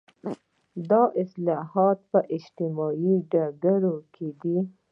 دا اصلاحات په اجتماعي ډګرونو کې دي.